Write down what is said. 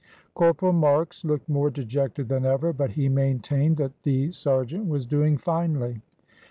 Corporal Marks looked more dejected than ever, but he maintained that the sergeant was doing finely.